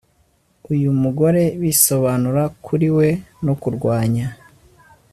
uyu mugore bisobanura kuri we no kurwanya